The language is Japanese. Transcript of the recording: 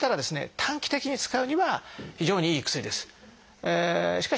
短期的に使うには非常にいい薬です。